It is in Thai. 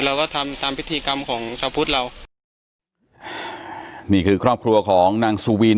เราก็ทำตามพิธีกรรมของชาวพุทธเรานี่คือครอบครัวของนางซูวิน